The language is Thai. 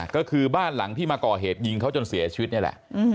ก็คือบ้านหลังที่มาก่อเหตุยิงเขาจนเสียชีวิตนี่แหละ